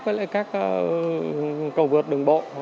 với lại các cầu vượt đường bộ